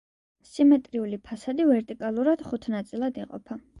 სიმეტრიული ფასადი ვერტიკალურად ხუთ ნაწილად იყოფა.